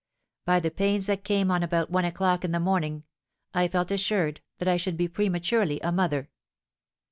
By the pains that came on about one o'clock in the morning, I felt assured that I should be prematurely a mother."